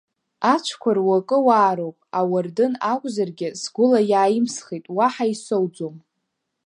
Ацәқәа руакы уаароуп, ауардын акәзаргьы, сгәыла иааимсхит, уаҳа исоуӡом…